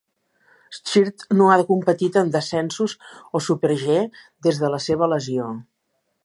Schild no ha competit en descensos o super-G des de la seva lesió.